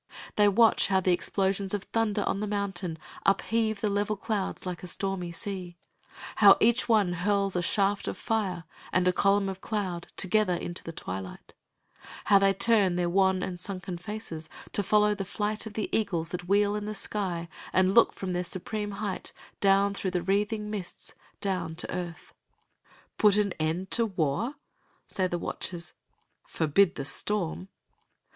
They watch how the explosions of thunder on the mountain upheave the level clouds like a stormy sea, how each one hurls a shaft of fire and a column of cloud together into the twilight; and they turn their wan and sunken faces to follow the flight of the eagles that wheel in the sky and look from their supreme height down through the wreathing mists, down to earth. "Put an end to war?" say the watchers. "Forbid the Storm!"